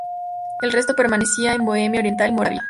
El resto permanecía en Bohemia oriental y Moravia.